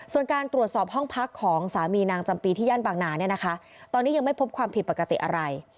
ส่วนการตรวจสอบห้องพักของสามีนางจำปีที่ย่านบางนาเนี่ยนะคะตอนนี้ยังไม่พบความผิดปกติอะไร